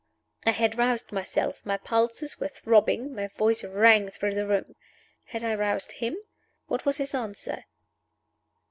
I had roused myself; my pulses were throbbing, my voice rang through the room. Had I roused him? What was his answer?